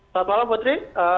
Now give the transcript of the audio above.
selamat malam putri